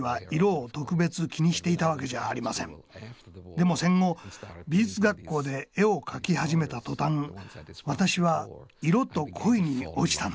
でも戦後美術学校で絵を描き始めた途端私は色と恋に落ちたんです。